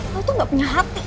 lo tuh gak punya hati tau gak